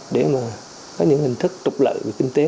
để mà có những hình thức trục lợi về kinh tế